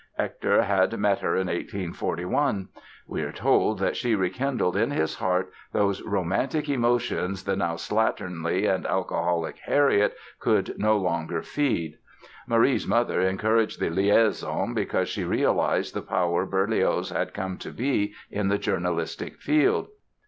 Hector had met her in 1841. We are told that she rekindled in his heart those romantic emotions the now slatternly and alcoholic Harriet could no longer feed. Marie's mother encouraged the liaison because she realized the power Berlioz had come to be in the journalistic field.